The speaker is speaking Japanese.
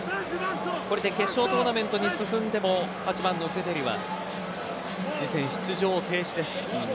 これで決勝トーナメントに進んでも８番のグデリは次戦、出場停止です。